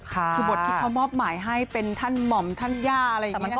คือบทที่เขามอบหมายให้เป็นท่านหม่อมท่านย่าอะไรอย่างนี้